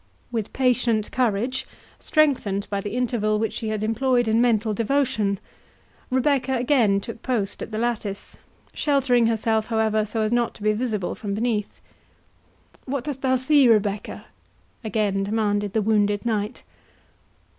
With patient courage, strengthened by the interval which she had employed in mental devotion, Rebecca again took post at the lattice, sheltering herself, however, so as not to be visible from beneath. "What dost thou see, Rebecca?" again demanded the wounded knight.